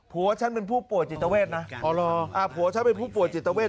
ฉันเป็นผู้ป่วยจิตเวทนะผัวฉันเป็นผู้ป่วยจิตเวท